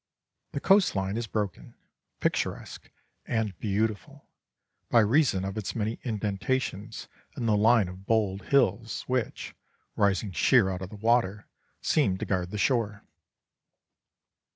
The coast line is broken, picturesque and beautiful, by reason of its many indentations and the line of bold hills which, rising sheer out of the water, seem to guard the shore.